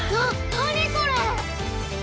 何これ⁉